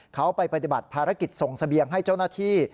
เขาไปปฏิบัติภารกิจส่งเสบียงให้เจ้าหน้าที่